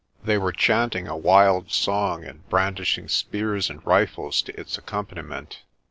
They were chanting a wild song and brandishing spears and rifles to its accompaniment.